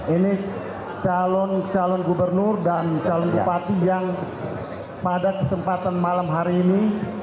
ini calon calon gubernur dan calon bupati yang pada kesempatan malam hari ini